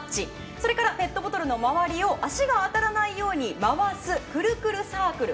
それからペットボトルの周りを足が当たらないように回すくるくるサークル。